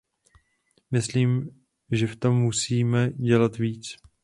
Myslím, že v tom musíme dělat víc.